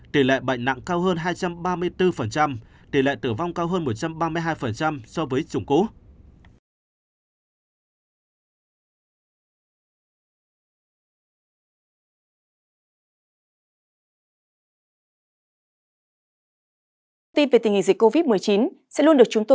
tỷ lệ bệnh nặng cao hơn hai trăm ba mươi bốn tỷ lệ tử vong cao hơn một trăm ba mươi hai so với chủng cũ